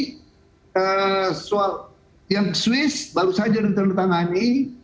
karena soal yang swiss baru saja ditangani